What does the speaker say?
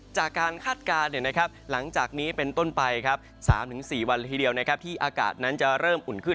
คาดการณ์หลังจากนี้เป็นต้นไป๓๔วันละทีเดียวที่อากาศนั้นจะเริ่มอุ่นขึ้น